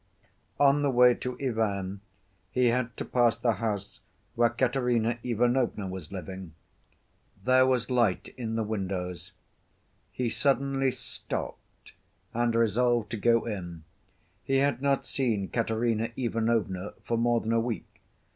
On the way to Ivan he had to pass the house where Katerina Ivanovna was living. There was light in the windows. He suddenly stopped and resolved to go in. He had not seen Katerina Ivanovna for more than a week.